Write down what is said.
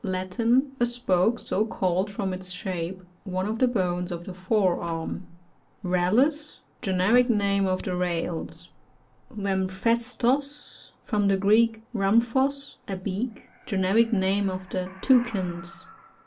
— Latin. A spoke — so called from its shape — one of the bones of the fore arm. Rallus. — ^Generic name of the Rails. Ramphastos. — From the Greek, ram phos, a beak. Generic name of the Toucans.